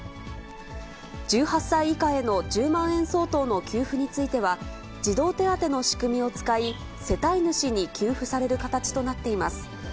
１８歳以下への１０万円相当の給付については、児童手当の仕組みを使い、世帯主に給付される形となっています。